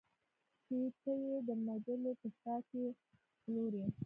چې ته یې د مجلو په شا کې پلورې